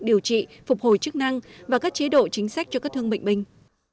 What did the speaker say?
điều trị phục hồi chức năng và các chế độ chính sách cho các thương bệnh binh